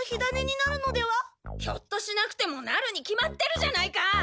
ひょっとしなくてもなるに決まってるじゃないか！